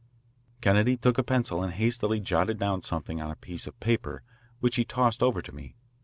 Kennedy took a pencil and hastily jotted down something on a piece of paper which he tossed over to me.